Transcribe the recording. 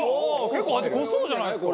結構味濃そうじゃないですか。